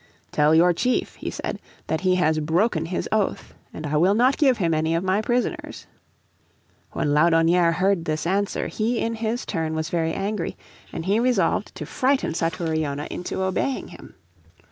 "Tell your chief," he said, "that he has broken his oath, and I will not give him any of my prisoners." When Laudonnière heard this answer he in his turn was very angry, and he resolved to frighten Satouriona into obeying him.